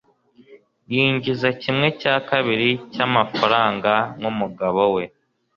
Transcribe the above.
yinjiza kimwe cya kabiri cyamafaranga nkumugabo we